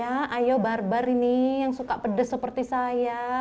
ayo bar bar ini yang suka pedas seperti saya